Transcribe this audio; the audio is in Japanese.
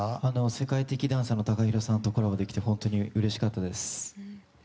世界的ダンサーのＴＡＫＡＨＩＲＯさんとコラボできて本当にうれしかったです。